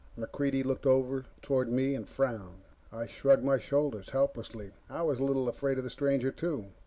MacReidie looked over toward me and frowned. I shrugged my shoulders helplessly. I was a little afraid of the stranger, too.